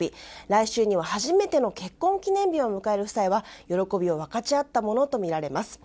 来週には初めての結婚記念日を迎える夫妻は喜びを分かち合ったものとみられます。